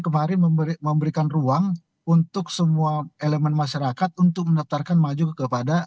kemarin memberikan ruang untuk semua elemen masyarakat untuk menetarkan maju kepada